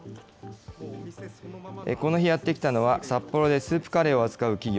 この日、やって来たのは札幌でスープカレーを扱う企業。